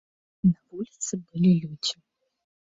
На вуліцы былі людзі.